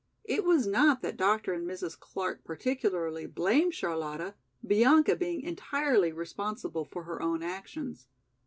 It was not that Dr. and Mrs. Clark particularly blamed Charlotta, Bianca being entirely responsible for her own actions.